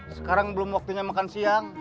sekarang belum waktunya makan siang